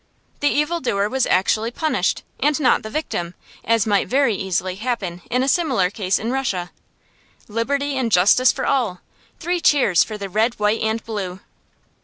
The evil doer was actually punished, and not the victim, as might very easily happen in a similar case in Russia. "Liberty and justice for all." Three cheers for the Red, White, and Blue!